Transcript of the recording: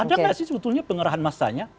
ada gak sih sebetulnya penggerahan massanya oke